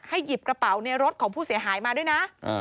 หยิบกระเป๋าในรถของผู้เสียหายมาด้วยนะ